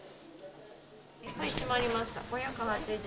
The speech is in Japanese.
はい、閉まりました。